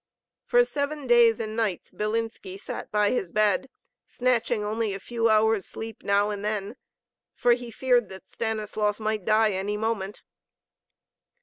For seven days and nights Bilinski sat by his bed, snatching only a few hours' sleep now and then, for he feared that Stanislaus might die any moment.